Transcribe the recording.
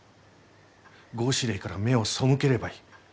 合祀令から目を背ければいい。